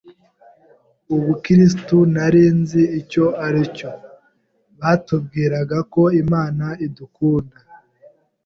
ubukristo nari nzi icyo ari cyo, batubwiraga ko Imana idukunda